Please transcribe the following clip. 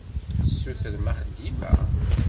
Tessutrem axeddim-a.